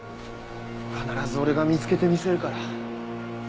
必ず俺が見つけてみせるから。